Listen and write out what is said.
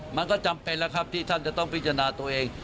มันก็จำเป็นแล้วครับที่ท่านจะต้องพิจารณาตัวเอง